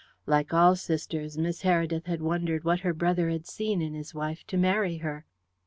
Like all sisters, Miss Heredith had wondered what her brother had seen in his wife to marry her.